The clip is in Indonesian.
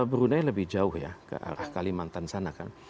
brunei lebih jauh ya ke arah kalimantan sana kan